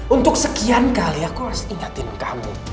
untuk sekian kali aku harus ingatin kamu